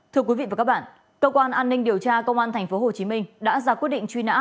thưa quý vị và các bạn cơ quan an ninh điều tra công an tp hcm đã ra quyết định truy nã